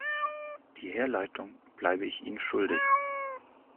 Die Herleitung bleibe ich Ihnen schuldig.